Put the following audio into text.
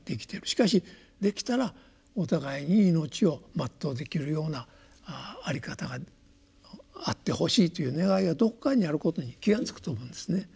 しかしできたらお互いに命を全うできるような在り方があってほしいという願いがどこかにあることに気が付くと思うんですね。